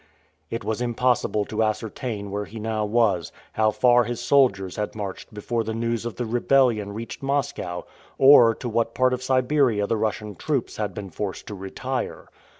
It was impossible to ascertain where he now was; how far his soldiers had marched before the news of the rebellion reached Moscow; or to what part of Siberia the Russian troops had been forced to retire.